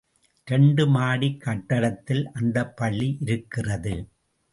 இரண்டு மாடிக் கட்டடத்தில் அந்தப்பள்ளி இருக்கிறது.